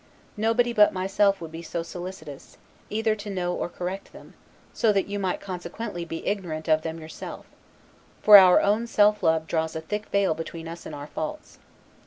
Nobody but myself would be so solicitous, either to know or correct them; so that you might consequently be ignorant of them yourself; for our own self love draws a thick veil between us and our faults.